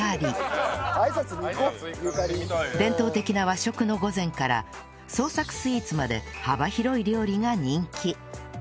伝統的な和食の御膳から創作スイーツまで幅広い料理が人気